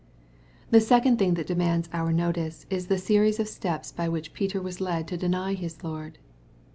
The second thing that demands our notice, is the series of steps by which Peter was led to deny his Lord.